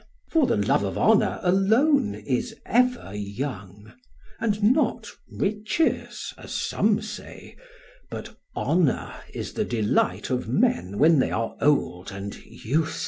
For the love of honour alone is ever young, and not riches, as some say, but honour is the delight of men when they are old and useless.'"